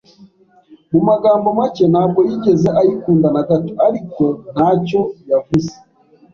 Mu magambo make, ntabwo yigeze ayikunda na gato, ariko ntacyo yavuze.